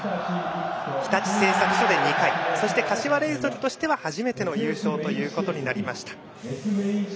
日立製作所で２回柏レイソルとしては初めての優勝となりました。